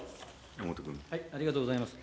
ありがとうございます。